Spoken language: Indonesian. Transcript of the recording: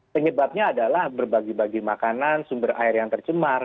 penyebabnya adalah berbagi bagi makanan sumber air yang tercemar